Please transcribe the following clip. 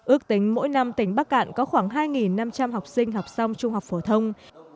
ước tính mỗi năm tỉnh bắc cạn có khoảng hai năm trăm linh học sinh học xong